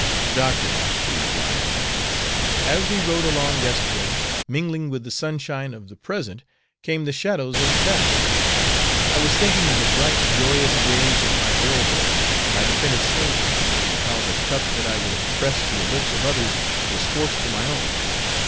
"Doctor," she replied, "as we rode along yesterday, mingling with the sunshine of the present came the shadows of the past. I was thinking of the bright, joyous days of my girlhood, when I defended slavery, and of how the cup that I would have pressed to the lips of others was forced to my own.